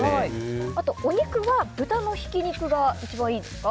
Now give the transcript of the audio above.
あと、お肉は豚のひき肉が一番いいですか？